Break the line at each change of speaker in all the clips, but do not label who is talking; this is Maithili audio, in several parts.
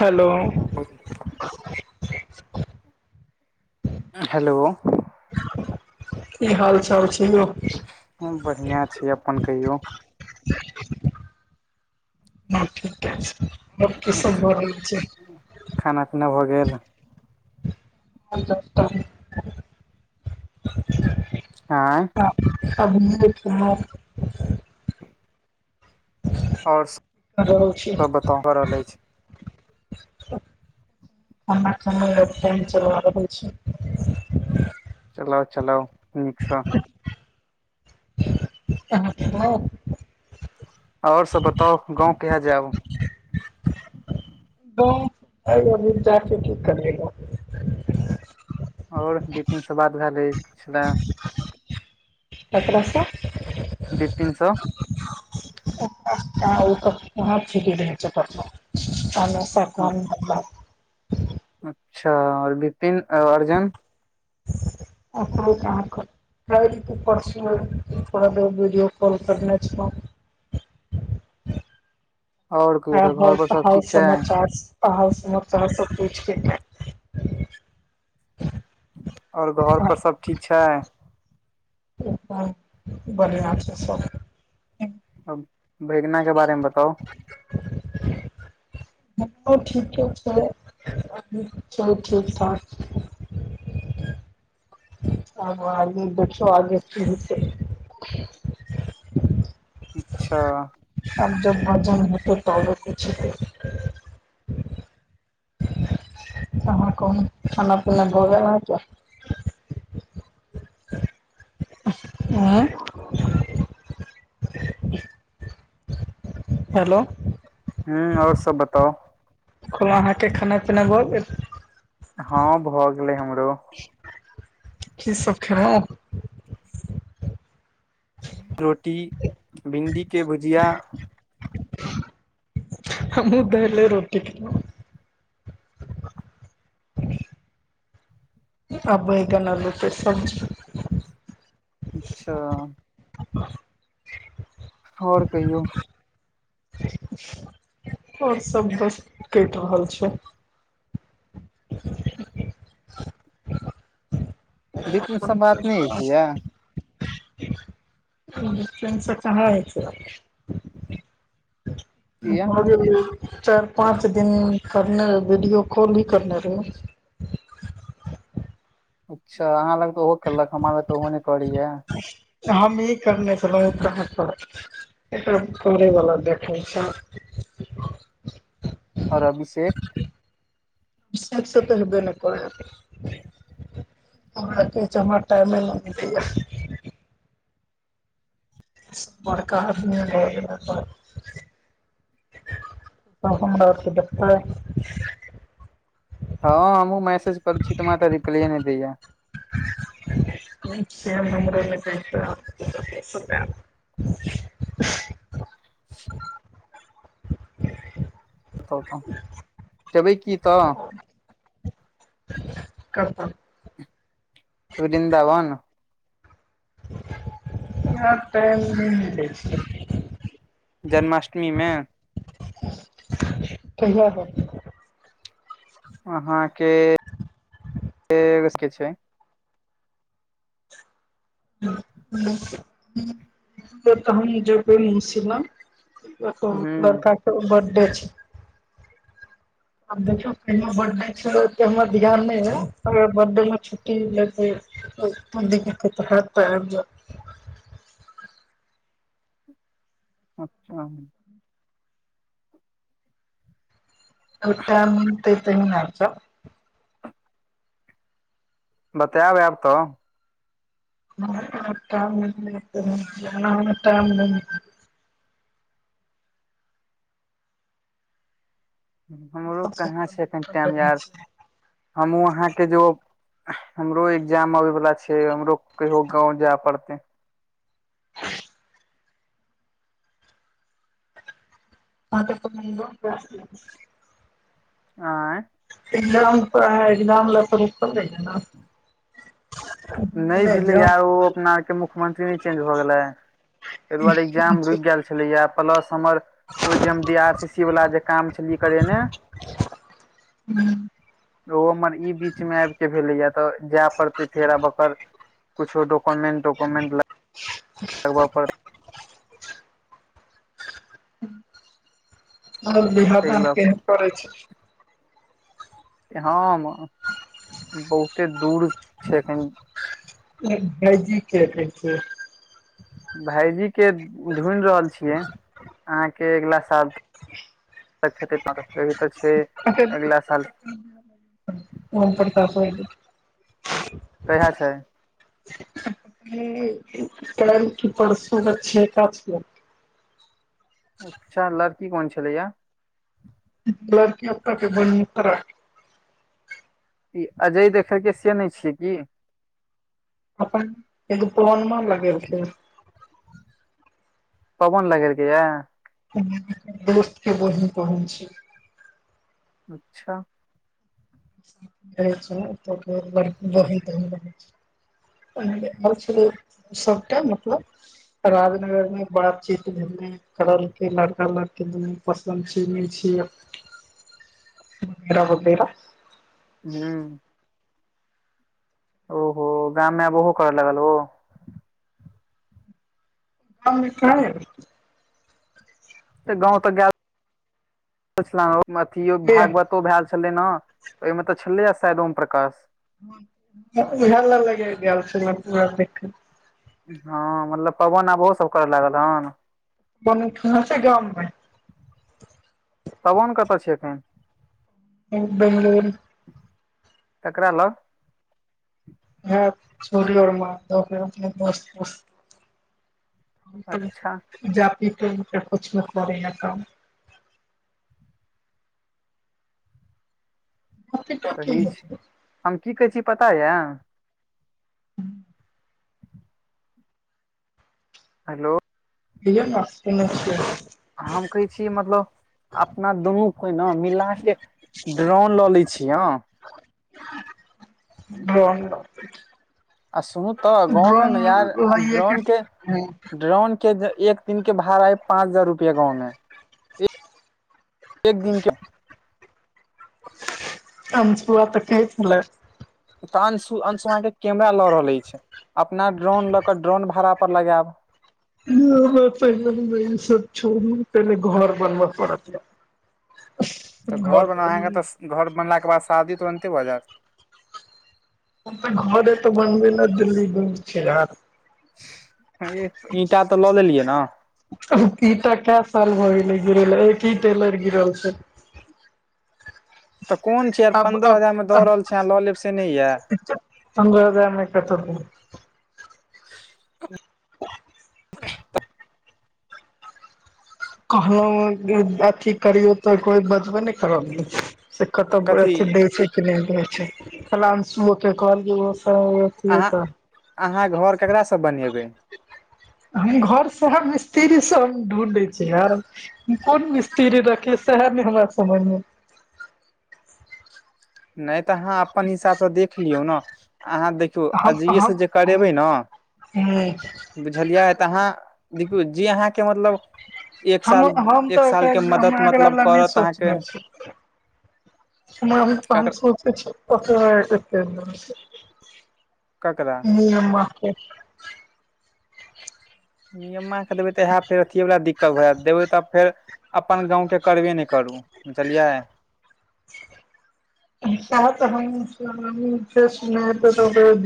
हेलो
हेलो
की हाल चाल छै यौ
बढ़ियाँ छै अपन कहियौ
हँ ठीके छै और की सब भेऽ रहल छै
खाना पीना भऽ गेल
[inaudible]
आँय
कभ [unintelligible]
आओर
खा रहल छी
सब बताउ की भऽ रहल अछि
खाना खाइले आब पानि चलाबै छी
चलाउ चलाउ नीकसँ
अहाँ खेलौं
आओर सब बताउ गाँंव कहिया जेब
गाँव अभी जाके की करबै गाँव
आओर बिपीन सँ बात भेलए छले
ककरा सँ
बिपीन सँ
ओ तऽ कहाँ छ छै पल [unintelligible] सँ कम
अच्छा आओर बिपिन अर्जुन
ओ [unintelligible] काल्हि की परसुये कहलियै वीडियो कॉल करने छेलै
आओर
आ
कहू तऽ
हाल
घर पर सब
हाल
ठीक छै आओर
समाचार समाचार सब पुछि क [unintelligible]
आओर घर पर सब ठीक छै
बढ़ियाँ छै सब
अब भेगना के बारेमे बताउ
हँ ठीके [unintelligible] छै ठीक ठाक आब आगे देखियौ आगे की हेतै
अच्छा
आब जब भजन होतै तबे कुछ होतै अहाँ कहु खाना पीना भऽ गेल अहाँ के आँय [inaudible] हेलो
हम्म आओर सब बताउ
खल अहाँके खाना पीना भऽ गेल
हँ भऽ गेलै हमर
की सब खेलहुँ
रोटी भिण्डी के भुजिया
हमहुँ दालि रोटी खैलियै [inaudible] आ बैगन आलु के सब्जी
अच्छा
[inaudible]
आओर कहियौ
आओर सब बस कटि रहल छै [inaudible]
बिपीन सँ बात नहि होय छेलैये
बिपीन से कहाँ होय छै
[inaudible]
भऽ गेलै चारि पाँच दिन करने रहै वीडियो कॉल ही करने रहै
अच्छा अहाँ लग तऽ ओहो केलक हमरा लग तऽ ओहो नहि करैये
हमहीं करने छलहु करैवला देखै छै
आओर अभिषेक
अभिषक सऽ तऽ हबै नइ करै हेतै [unintelligible] हमरा टाइमे नाहि भेटैय यऽ बड़का आदमी भऽ गेला बड़ [unintelligible]
हँ हमहु मैसेज करू छी त हमरा तऽ रिप्लाइये नहि दैय यऽ
[unintelligible]
बताउ तऽ जेबै की तऽ
केतअ
वृन्दावन
आब टाइम नई मिलै छै
जन्माष्टमी मे
कहिया जैब
अहाँके [unintelligible] छै
से तऽ हम जेबै मैसी लंग ओतैअ
हूँ
बड़का कऽ बर्डे छै आब देखियौ कहिया बर्डे छियै हमरा ओते ध्यान नहि कहियो बडैयो मे छुट्टी लेत [unintelligible] आइब जाउ
अच्छा
ओतअ टाइम मिलतै तहिमे आबी जाऊ
बतायब आब तऽ
[unintelligible]
हमरो कहाँ छै अखैन टाइम यार हमहु आहाँ के जो हमरो एग्जाम अबे वला छै हमरो कहियो गाँंव जाय पड़ते
[unintelligible]
आँय
एग्जाम तऽ एग्जाम ल त रूकल रहिये न
नहि भेलै
एग्जाम
यार ओ अपना आर के मुख मुख्यमंत्री नहि चेंज भऽ गेलै ताहि दुआरे एग्जाम रुकि गेल छलैया प्लस हमर ओ जे हम डी आर सी सी वला जे काम छलियै करेने ओ हमर ई बीचमे आबि के भेलै यऽ तऽ जाय पड़तै फेर आब पर कुछो डोकोमेंट टोकोमेंट
ह बिवाह
ताहि
दान
लऽ
कहिया
कऽ
करै छै
हम बहुते दूर छै एखैन
एक भायजी कहतै
भाायजी के ढूढ़ रहल छियै अहाँके अगिला साल तक हेतै तहन कहैय तऽ छै अगिला साल
[unintelligible] ओम प्रकाश एलै
कहिया छै
कैल कि परसो ओकर छेका छिये
अच्छा लड़की कोन छलैया
लड़की ओतअ केय बड़मोतरा केऽ
ई अजय देखलकै से नहि छियै की
अपन एगो पहुनमा लगेल कैय
पाहुन लगेलकै यै
दोस्त के बहीन तहिन छै
अच्छा
अचछा त ब ब ब [unintelligible] म छलै सबटा मतलब राजनगर मे बात चित भेलै करलके लड़का लड़की दूनु पसन्द छी नहि छी [unintelligible]
हँ ओहो गाममे आब ओहो करऽ लागल ओ
[unintelligible]
गाँंव तऽ गेल अथि
एबै
भागवतो भ छलै ने ओहिमे तऽ छलैए शायद ओम प्रकाश
[unintelligible]
हँ मतलब पवन आब ओहो सब करे लागल हन
बन ख छै गाममे
तबोन कतऽ छ एखन
[unintelligible]
तकररा ल
[unintelligible]
अच्छा
[unintelligible] जाति की
सही
होइ
छै हम की कहै छी पता यऽ हेलो
[unintelligible]
हम कहै छीियै मतलब अपना दुनू कोइ न मिलााक ड्रोन लऽ लै छीिय अ
[unintelligible]
आ सुनू तऽ गाँव मे
ड्रोन
नयार
लैए
ड्रोन के ड्रोन एक दिन के बाहर आए पाँच हजार रुपआ गाँव में एक एक दिन क्य
[unintelligible]
तऽ अंश अंशुम के कैमरा लऽ रहल छै अपना ड्रोन लऽ के ड्रोन भाड़ा पर लगायब
मे त सब छोड़ पने घर बनब पड़त
तऽ घर बन अहाँके तऽ घर बनलाके बाद शादी तुरन्ते भऽ जायत
[unintelligible]
ईंटा तऽ लऽ लेलियै ने
ईटा क साल मे होै गिरे ले एक ही टेलर गिरल छै
तऽ कोन छीर
आब
पंन्द्रह
अब
हजारं दऽ रहल छी अहाँ लऽ लेब से नहि यए
तन्द्रहोदयमे कतै [unintelligible] [unintelligible]
कथी
[unintelligible]
अहाँ अहाँ घर ककरासँ बनेबै
हम घर से मिस्त्री से हम ढूढै छियै आर कोन मिस्त्री राखि स हे ने हमरा समयमे
नहि तऽ आहाँ आप अपन हिसाबसँ देख लियौ ने अहाँ देखियौ अज से जे करेबै ने
ह
बुझलियै तऽ अहाँ दू जी अहाँके मतलब एक साल
हम
एक
तऽ
साल के मदद
एकरा
मतलब
लए नहि
करत अहाँके
सोचनेे छी [unintelligible]
ककरा
कन्हैया मा के
माे देबै तऽ इह फेर अथीवला दिक् देबै तब फेर अपन गाँं के करबे नहि करू बुझलियै
त सुने ेग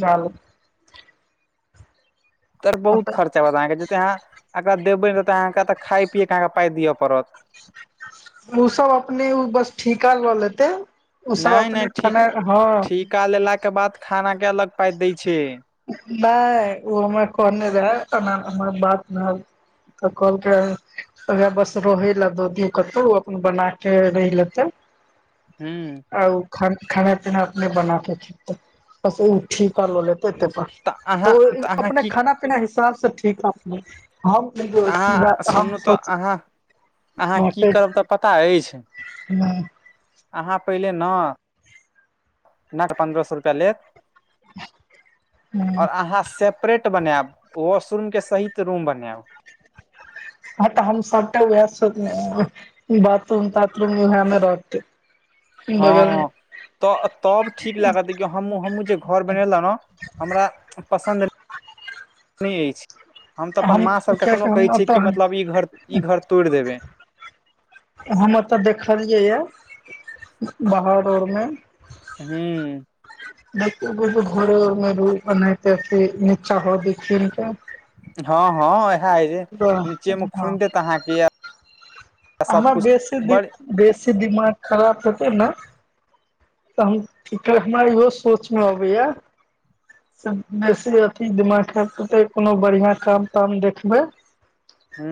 जाल
तर बहुत
लेतै,
खर्चा होत अहाँ के जते अहाँ एकरा देबे ने रहते अहाँके खााय पियए केहाँके पााय दिअ पड़त
ओ सब अपने ओ बस ठीका लेतै ओ सब अपने ख हँ
का लेला के बाद खाना के अलग पाइ दय छै
नहि ओ हमरा कहने रहे [unintelligible] बात नहि तऽ कोल के [unintelligible] ओह बस रहे लए दो दू कतहु ओ अपन बना के रहि लेतै
हू
आ ओ खाना पीना अपने बना के खेते बस ओ ठीका ल लेते एे तऽ
अहाँ
ओ
तऽ अहाँ
अपने
की
खाना पीना हिसाब से ठीक ह अप हम सीधा
अहाँ
हम
सुनू तऽ
सोच
अहाँ अहाँ की
नहि
करब तऽ पता अछि अहाँ पहिले ने नट पन्द्रह सए रुपआ लेत आओर अहाँ से रेट बनायब वाशरूम के सहित रूम बनायब
हँ तऽ हम सभटा वएह बाथरूम ताथरूम हमे रहतै बगल मे
हँ तऽ तब ठीक लागत हम घर बनेल ने हमरा पसन्द नहि अछि हम तऽ अपन माँ सभके कखनो
कियाकि
कहै
हम
छियै कि मतलब
ओतऽ
ई घर ई घर तोड़ि देबै
हम एतय देखलियै यए बाहर आरमे
हूँ
देख घोरेमे रू बन नीचा हो दथि
हँ हँ इएह हय जे नीचे में
हँ
खुनि देत अहाँके य
आर बेसी द
बड़
बेसी दिमाग खराब हत ने तऽ हम हमरा इहो सोच मे अबैया बेसी अथी दिमाग ख पते कोनो बढ़िया काम ताम देखबे
हू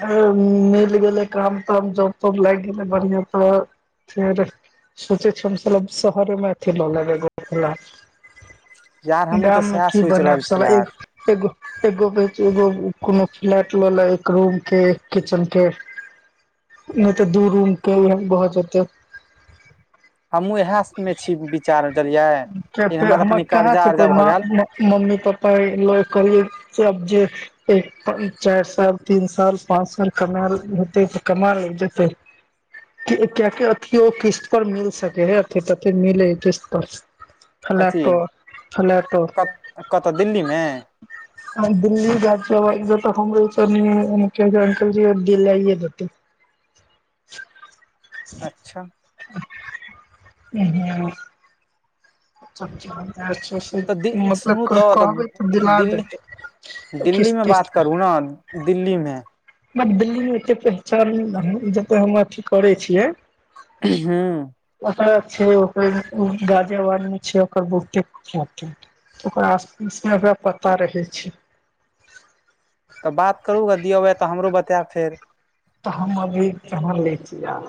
मिल गेलै काम ताम जब त लागि गेलै बढ़िआं तऽ फर सोचै छ शहरेमे अथिी ल लगो
यार हमहूँ तऽ
गाममे
सएह
की
सोचि रहल छी
बनसाल
यार
एक एगो एगो एगो कोनो फ्लैट लै एक रूम के एक किचन के नहि तऽ दू रूम के वह बहुत जाते
हमहु इएह में छी विचार रहलिये लेकिन
फेर
हमरा त
हमर
कनी
कहाँ
कर्जा
छै कोइ
उर्जा भऽ
माँ
गेल
मम्मी पप्पा ल करिय जे एक चारि साल तीन साल पाँच साल कमा होतै तऽ कमा ल जेतै क्य क अथिी ओ किस्त पर मिल सकै है अथ तथ मिले किस पर
कथी
फ्लैटो फ्लैटो
कत कतय दिल्लीमे
दिल्ी राज्य बाजज तऽ कंग्रेसनी मुख्यमत्री अंकल जी द ल यतत
अच्छा
ह छ से
तऽ दि
मतलब
सुनू तऽ
कहबै तऽ दिला
दिल्ली
देतै
दिल्ली
किस्त
मे बात
तिस्त
करू ने दिल्ली मे
हम दिल्ली मे एे पहचान जते हम अथी करे छियै
हँ
ओत ल छै ओकर ग ज आदमी छै ओकर बुटे खत ओकर आस पास मेरा पता रहे छै
तऽ बात करू ग दियौबै तऽ हमरो बतायब फेर
तऽ हम अभी कहाँ लै छिय आ